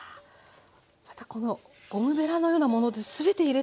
またこの大ベラのようなもので全て入れたいですね。